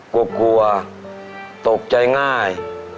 กลัวกลัวตกใจง่าย